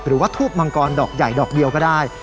ทูบมังกรดอกใหญ่ดอกเดียวก็ได้